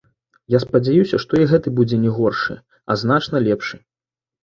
Я спадзяюся, што і гэты будзе не горшы, а значна лепшы.